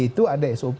itu ada sop